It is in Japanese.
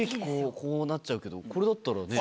こうなっちゃうけどこれだったらね。